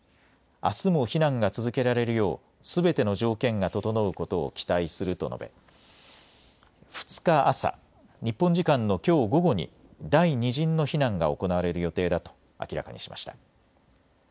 あすも避難が続けられるようすべての条件が整うことを期待すると述べ、２日朝、日本時間のきょう午後に第２陣の避難が行われる予定だと明らかにしました。